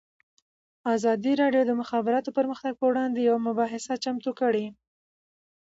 ازادي راډیو د د مخابراتو پرمختګ پر وړاندې یوه مباحثه چمتو کړې.